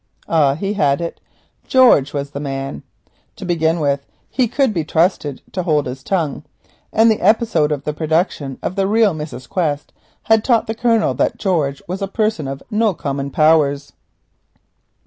Ah, he had it. George was the man! To begin with he could be relied upon to hold his tongue. The episode of the production of the real Mrs. Quest had taught him that George was a person of no common powers.